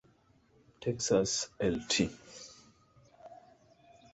Texas Lt.